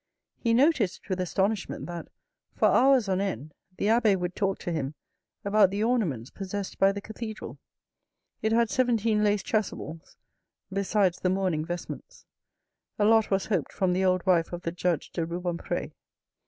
He noticed with astonishment that, for hours on end, the abbe would talk to him about the ornaments possessed by the cathedral. It had seventeen lace chasubles, besides the mourning vestments. A lot was hoped from the old wife of the judge de Rubempre.